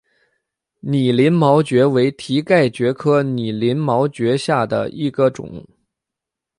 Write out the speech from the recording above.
拟鳞毛蕨为蹄盖蕨科拟鳞毛蕨属下的一个种。